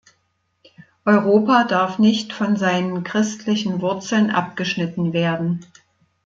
Europa darf nicht von seinen christlichen Wurzeln abgeschnitten werden.